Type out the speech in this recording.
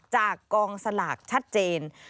จากกองสลากชัดเจน